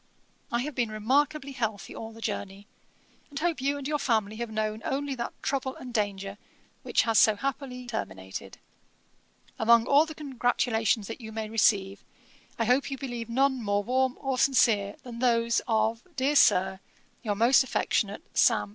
'I have been remarkably healthy all the journey, and hope you and your family have known only that trouble and danger which has so happily terminated. Among all the congratulations that you may receive, I hope you believe none more warm or sincere, than those of, dear Sir, 'Your most affectionate, 'SAM.